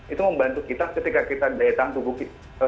itu membantu kita ketika kita daya tahan tubuh kita